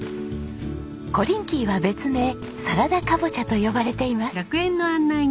コリンキーは別名サラダカボチャと呼ばれています。